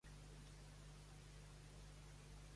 Fer morir una figuera.